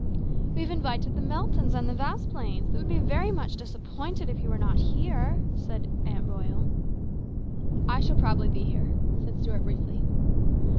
"We've invited the Meltons and the Vasplaines. They would be very much disappointed if you were not here," said Aunt Royal. " I shall probably be here," said Stuart briefly.